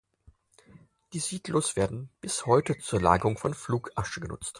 Die Silos werden bis heute zur Lagerung von Flugasche genutzt.